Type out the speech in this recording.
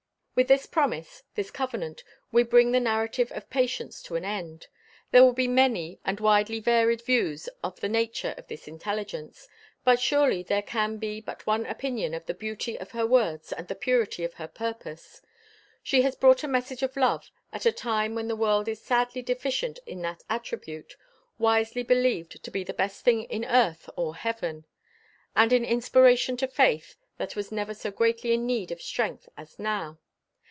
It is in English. With this promise, this covenant, we bring the narrative of Patience to an end. There will be many and widely varied views of the nature of this intelligence, but surely there can be but one opinion of the beauty of her words and the purity of her purpose. She has brought a message of love at a time when the world is sadly deficient in that attribute, wisely believed to be the best thing in earth or heaven; and an inspiration to faith that was never so greatly in need of strength as now.